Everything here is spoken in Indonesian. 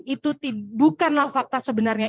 itu bukanlah fakta sebenarnya